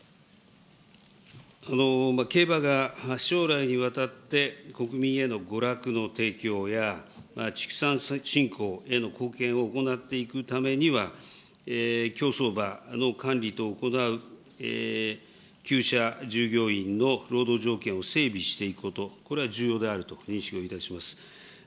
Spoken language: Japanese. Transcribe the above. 競馬が将来にわたって、国民への娯楽の提供や、畜産振興への貢献を行っていくためには、競走馬の管理等を行うきゅう舎従業員の労働条件を整備していくこと、これは重要であると認識をいたします。